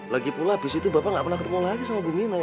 lagipula abis itu bapak gak pernah ketemu lagi sama bu mina